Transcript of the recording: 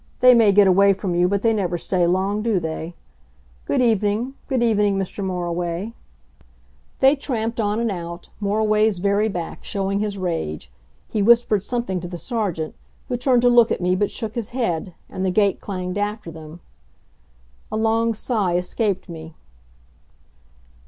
They may get away from you, but they never stay long, do they? Good evening good evening, Mr. Moriway." They tramped on and out, Moriway's very back showing his rage. He whispered something to the Sergeant, who turned to look at me but shook his head, and the gate clanged after them. A long sigh escaped me.